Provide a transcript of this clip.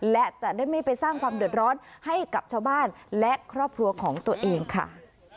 และจะได้ไม่ไปสร้างความเดือดร้อนให้กับชาวบ้านและครอบครัวของตัวเองค่ะ